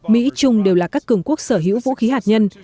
mỹ trung đều là các cường quốc sở hữu vũ khí hạt nhân